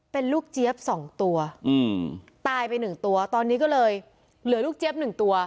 เป็นลูกเจี๊ยบสองตัวอืมตายไปหนึ่งตัวตอนนี้ก็เลยเหลือลูกเจี๊ยบหนึ่งตัว